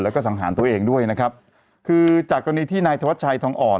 แล้วก็สังหารตัวเองด้วยนะครับคือจากกรณีที่นายธวัชชัยทองอ่อน